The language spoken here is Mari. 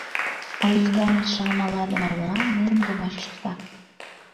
А Лузга Миша мала да мала, нерым гына шӱшкыкта.